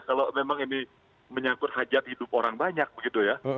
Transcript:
kalau memang ini menyangkut hajat hidup orang banyak begitu ya